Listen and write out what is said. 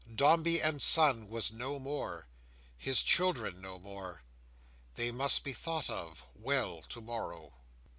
Dombey and Son was no more—his children no more. This must be thought of, well, to morrow.